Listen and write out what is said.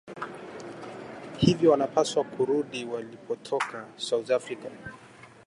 hivyo wanapaswa kurudi walipotoka, south africa